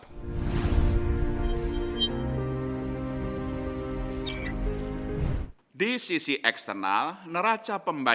pembangunan ekonomi global yang membaik